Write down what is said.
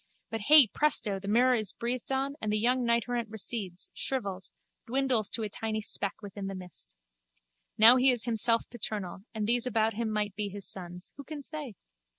But hey, presto, the mirror is breathed on and the young knighterrant recedes, shrivels, dwindles to a tiny speck within the mist. Now he is himself paternal and these about him might be his sons. Who can say?